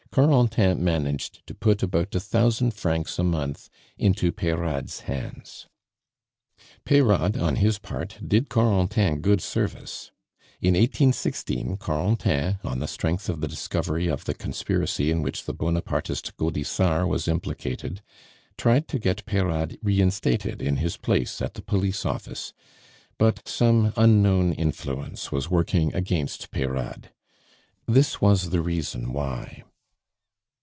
Corentin managed to put about a thousand francs a month into Peyrade's hands. Peyrade, on his part, did Corentin good service. In 1816 Corentin, on the strength of the discovery of the conspiracy in which the Bonapartist Gaudissart was implicated, tried to get Peyrade reinstated in his place in the police office; but some unknown influence was working against Peyrade. This was the reason why.